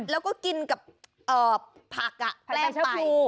แล้วก็กินกับผักแป้งไป